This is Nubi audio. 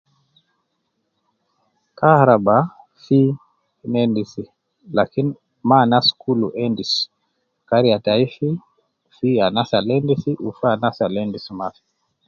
Kaharaba fi ina endisi, lakin ma anas kul endisi, kariya tai fi anas al endisi wu fi anas al endiso mafi